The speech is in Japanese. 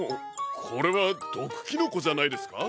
これはどくキノコじゃないですか？